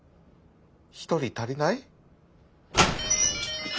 １人足りない？